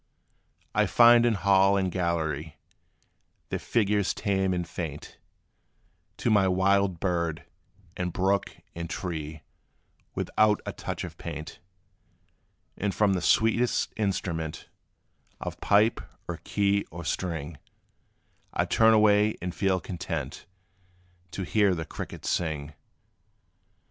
I find in hall and gallery, Their figures tame and faint, To my wild bird, and brook, and tree, Without a touch of paint. And from the sweetest instrument Of pipe, or key, or string, I 'd turn away, and feel content To hear the crickets sing.